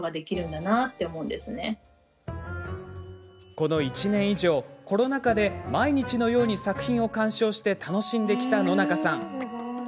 この１年以上、コロナ禍で毎日のように作品を鑑賞して楽しんできた、野中さん。